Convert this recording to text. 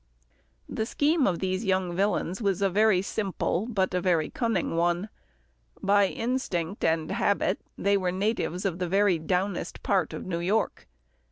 The scheme of these young villains was a very simple, but a very cunning one. By instinct and habit, they were natives of the very downest part of New York.